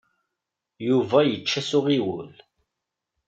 Yuba yečča s uɣiwel.